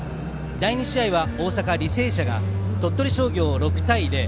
第２試合は、大阪の履正社が鳥取商業を６対０。